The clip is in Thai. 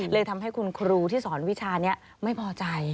เลยทำให้คุณครูที่สอนวิชานี้ไม่พอใจ